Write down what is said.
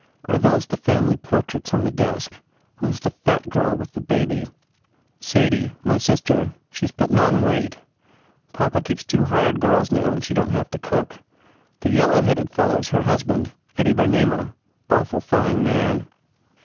Are those the family portraits on the desk? Who s the fat girl with the baby?" "Sadie. My sister. She s puttin on weight. Papa keeps two hired girls now and she don t 40 HE PROGRESSES have to cook. The yellow headed fellow s her husband Eddie Bernamer. Awful fine man."